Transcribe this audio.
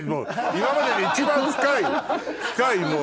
今までで一番深い深いもう。